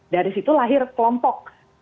dari situ lahir kelompok